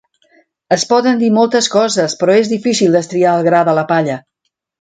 Es poden dir moltes coses, però és difícil destriar el gra de la palla.